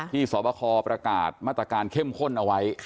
สวบคประกาศมาตรการเข้มข้นเอาไว้